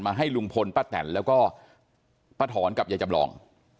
ให้ลุงพลป้าแตนแล้วก็ป้าถอนกับยายจำลอง